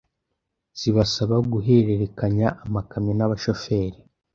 zibasaba guhererekanya amakamyo n’abashoferi